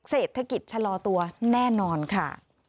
เศรษฐกิจชะลอตัวแน่นอนค่ะ